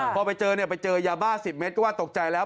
พอไปเจอเนี่ยไปเจอยาบ้า๑๐เมตรก็ว่าตกใจแล้ว